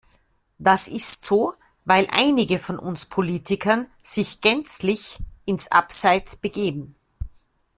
Das ist so, weil einige von uns Politikern sich gänzlich ins Abseits begeben.